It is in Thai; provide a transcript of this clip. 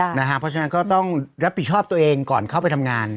เพราะฉะนั้นก็ต้องรับผิดชอบตัวเองก่อนเข้าไปทำงาน